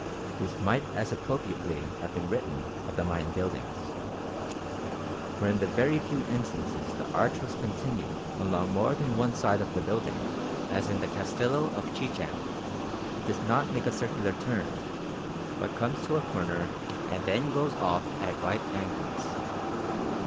This might as appropriately have been written of the Mayan buildings. Where in the very few instances the arch was continued along more than one side of the building, as in the Castillo of Chichen, it does not make a circular turn, but comes to a corner and then goes off at right angles.